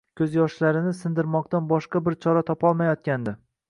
Ko'zyoshlarini sidirmoqdan boshqa bir chora topolmayotgandi.